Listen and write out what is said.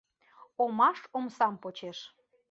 Омаш омсам почеш.